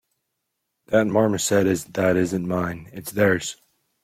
That marmoset that isn't mine; it's theirs!